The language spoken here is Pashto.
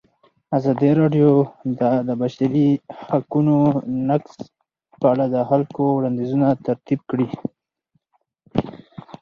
ازادي راډیو د د بشري حقونو نقض په اړه د خلکو وړاندیزونه ترتیب کړي.